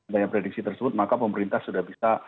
dengan prediksi tersebut maka pemerintah sudah bisa